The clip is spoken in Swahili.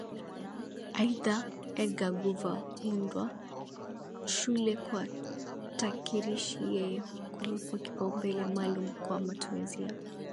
Aidha Edgar Guver kuundwa shule kwa takirishi Yeye kulipwa kipaumbele maalum kwa matumizi ya